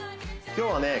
今日はね